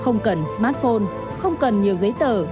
không cần smartphone không cần nhiều giấy tờ